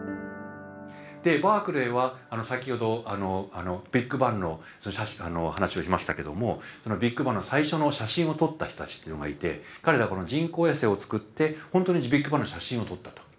バークレーは先ほどビッグバンの話をしましたけどもそのビッグバンの最初の写真を撮った人たちっていうのがいて彼らこの人工衛星をつくって本当にビッグバンの写真を撮ったと。